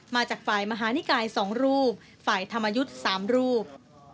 มาจากฝ่ายมหานิกาย๒รูปฝ่ายธรรมยุทธ์๓รูป